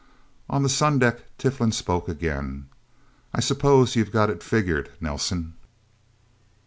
On the sundeck, Tiflin spoke again. "I suppose you've got it figured, Nelsen?"